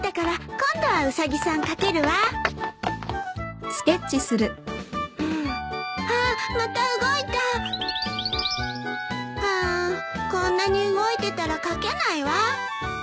こんなに動いてたら描けないわ。